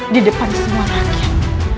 di depan semua rakyat